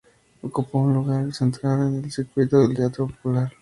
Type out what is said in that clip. Ocupó un lugar central en el circuito del teatro popular.